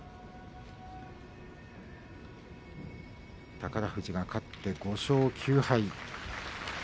宝富士が勝って５勝９敗。